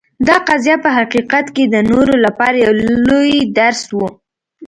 دا قضیه په حقیقت کې د نورو لپاره یو لوی درس و.